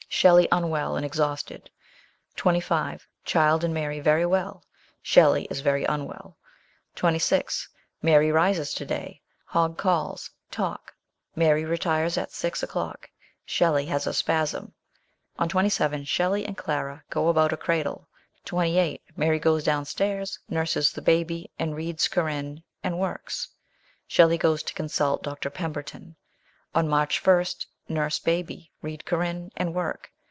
Shelley unwell and exhausted. 25. Child and Mary very well. Shelley is very unwell. 26. Mary rises to day. Hogg calls ; talk. Mary retires at 6 o'clock. ... Shelley has a spasm. On 27 Shelley and Clara go about a cradle. 28. Mary goes down stairs ; nurses the baby, and reads Corinne and works. Shelley goes to consult Dr. Pemberton. On March 1st nurse baby, read Corinne, and work.